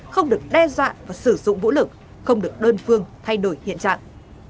không được đe dọa và sử dụng vũ lực không được đơn phương thay đổi hiện trạng